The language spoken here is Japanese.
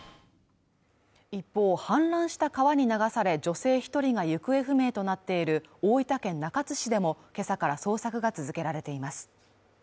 一方、氾濫した川に流され女性１人が行方不明となっている大分県中津市でも、今朝から捜索が続けられています。